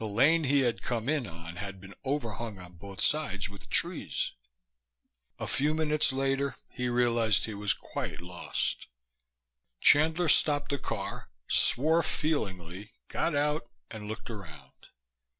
The lane he had come in on had been overhung on both sides with trees. A few minutes later he realized he was quite lost. Chandler stopped the car, swore feelingly, got out and looked around.